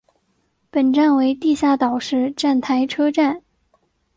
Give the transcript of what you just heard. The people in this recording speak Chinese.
本站为地下岛式站台车站。